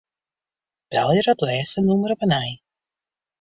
Belje dat lêste nûmer op 'e nij.